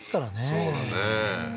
そうだね